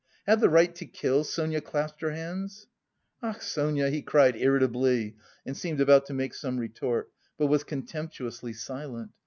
Have the right to kill?" Sonia clasped her hands. "Ach, Sonia!" he cried irritably and seemed about to make some retort, but was contemptuously silent.